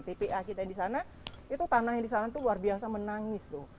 tpa kita di sana itu tanahnya di sana itu luar biasa menangis loh